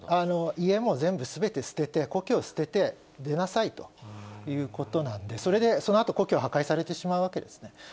家も全部すべて捨てて、故郷を捨てて、出なさいということなんで、それでそのあと、故郷が破壊されてしまうわけですね。